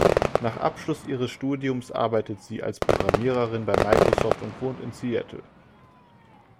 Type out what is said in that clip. Nach Abschluss ihres Studiums arbeitet sie als Programmiererin bei Microsoft und wohnt in Seattle.